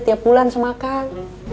tiap bulan semakan